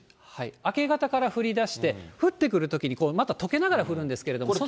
明け方から降りだして、降ってくるときに、またとけながら降るんですけれども。